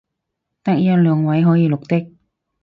得一兩個位可以綠的